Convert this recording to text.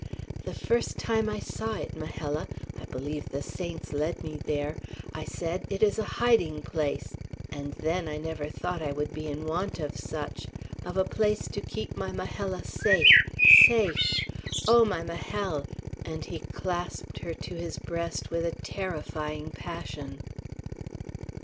"The first time I saw it, Majella, I believe the saints led me there, I said, it is a hiding place. And then I never thought I would be in want of such, of a place to keep my Majella safe! safe! Oh, my Majel!" And he clasped her to his breast with a terrifying passion.